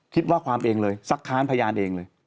คิดว่าความเองเลยสักครั้งพยานเองเลย